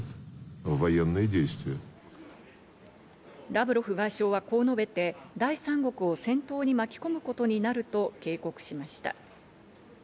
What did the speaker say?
ラブロフ外相は、こう述べて、第三国を戦闘に巻き込むことになると警告しました。